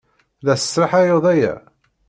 La tesraḥayed aya?